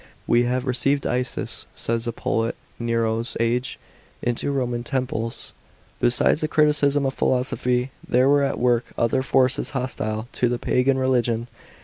" We have received Isis," says a poet 01 Nero's age, " into the Roman temples." § 22. Besides the criticism of philosophy, there were at work other forces hostile to the pagan religion.